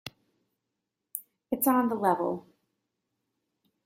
It's on the level.